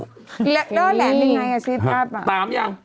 นางอันนี้อาธิบัติซิทอัพ